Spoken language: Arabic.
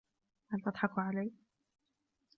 هل تضحك علي ؟